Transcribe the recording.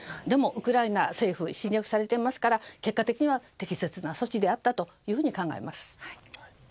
でも、ウクライナ政府侵略されていますから結果的には適切な措置であったと考えます。